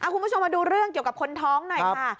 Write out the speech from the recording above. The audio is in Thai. คุณผู้ชมมาดูเรื่องเกี่ยวกับคนท้องหน่อยค่ะ